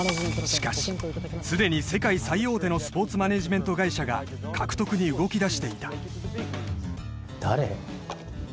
しかしすでに世界最大手のスポーツマネジメント会社が獲得に動きだしていた誰？